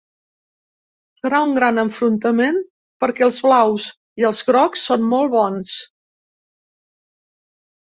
Serà un gran enfrontament perquè els blaus i els grocs són molt bons.